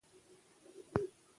د باور فضا مهمه ده